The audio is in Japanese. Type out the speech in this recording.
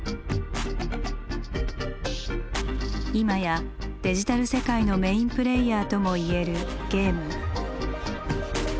今やデジタル世界のメインプレイヤーともいえるゲーム。